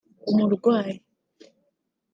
umurwayi